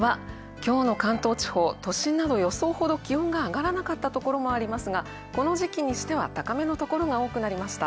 今日の関東地方、都心など予想ほど気温が上がらなかったところもありますが、この時期としては高めのところが多くなりました。